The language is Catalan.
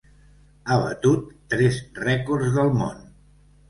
Ha batut tres rècords del món.